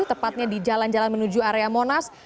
tepatnya di jalan jalan menuju area monas